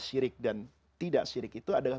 syirik dan tidak syirik itu adalah